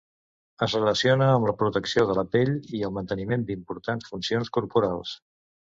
Es relaciona amb la protecció de la pell i el manteniment d'importants funcions corporals.